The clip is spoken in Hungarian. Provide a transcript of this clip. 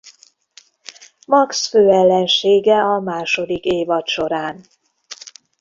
Max főellensége a második évad során.